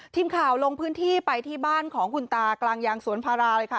ทีมข่าวลงพื้นที่ไปที่บ้านของคุณตากลางยางสวนพาราเลยค่ะ